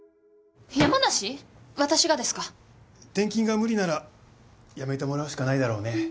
転勤が無理なら辞めてもらうしかないだろうね。